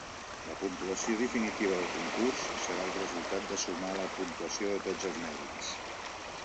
La puntuació definitiva del concurs serà el resultat de sumar la puntuació de tots els mèrits.